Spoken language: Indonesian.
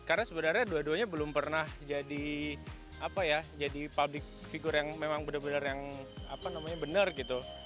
karena sebenarnya dua duanya belum pernah jadi apa ya jadi public figure yang memang benar benar yang apa namanya benar gitu